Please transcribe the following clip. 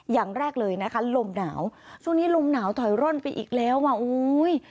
อย่างแรกเลยนะคะลมหนาวช่วงนี้ลมหนาวถอยร่นไปอีกแล้วอ่ะโอ้ย